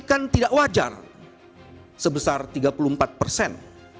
kan tidak wajar sebesar tiga puluh empat persen